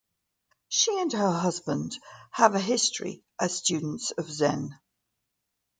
She and her husband have a history as students of Zen.